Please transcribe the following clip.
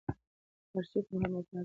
آرشیف مهم اسناد ساتي.